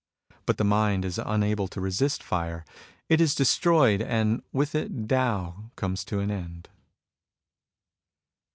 But the mind is unable to resist fire. It is destroyed, and with it Tao comes to an end.